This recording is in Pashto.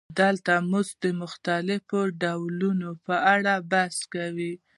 دلته د مزد د مختلفو ډولونو په اړه بحث کوو